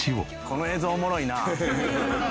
「この映像おもろいな」